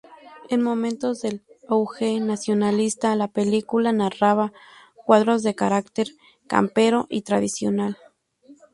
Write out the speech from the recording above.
En momentos del auge nacionalista, la película narraba cuadros de carácter campero y tradicional.